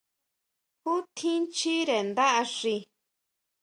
¿Ju tjín chire ndá axi?